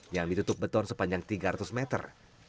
yang ditutup beton sepanjang tiga ratus meter